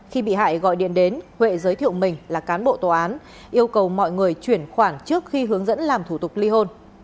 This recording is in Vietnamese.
khi bị hại gọi điện đến huệ giới thiệu mình là cán bộ tòa án yêu cầu mọi người chuyển khoản trước khi hướng dẫn làm thủ tục ly hôn